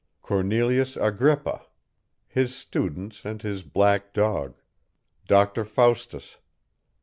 CORNELIUS AGRIPPA. HIS STUDENTS AND HIS BLACK DOG. DOCTOR FAUSTUS.